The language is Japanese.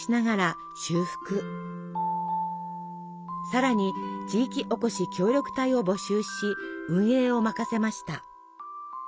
さらに地域おこし協力隊を募集し運営を任せました。